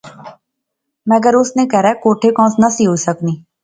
مگر اس نے کہھرے کوٹھے کانس نہسی ہوئی سکنی